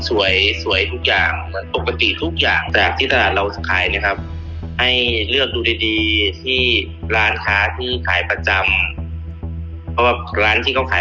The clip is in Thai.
ก็สวยมากเลยหนูพึ่งพาเมื่อกี้นี่แหละหนูให้ดูสภาพข้างในมันแหวะ